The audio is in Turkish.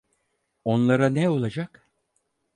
Onlara ne olacak?